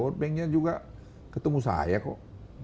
world banknya juga ketemu saya kok